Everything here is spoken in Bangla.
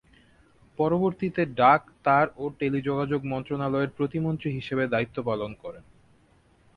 পরবর্তীতে ডাক তার ও টেলিযোগাযোগ মন্ত্রনালয়ের প্রতিমন্ত্রী হিসেবে দায়িত্ব পালন করেন।